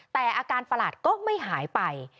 แต่อาการประหลาดก็ไม่หายไป